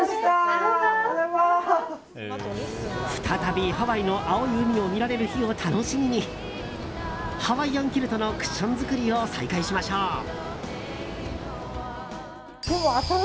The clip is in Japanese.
再びハワイの青い海を見られる日を楽しみにハワイアンキルトのクッション作りを再開しましょう。